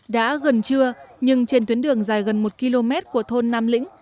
đã gần trưa nhưng trên tuyến đường dài gần một km của thôn nam lĩnh